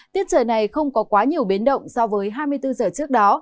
tiết trời này không có quá nhiều biến động so với hai mươi bốn giờ trước đó